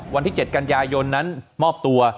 วันที่๗กันยายนนั้นมอบตัว